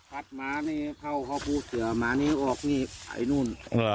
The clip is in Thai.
พัดมานี้เผาพ่อปูเสือมานี้ออกนี่ไอนู่น